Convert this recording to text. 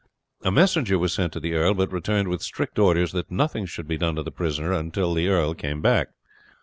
A messenger was sent to the Earl, but returned with strict orders that nothing should be done to the prisoner until he came back.